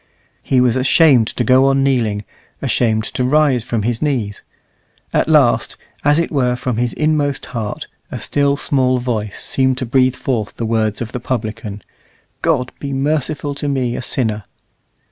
He was ashamed to go on kneeling, ashamed to rise from his knees. At last, as it were from his inmost heart, a still, small voice seemed to breathe forth the words of the publican, "God be merciful to me a sinner!"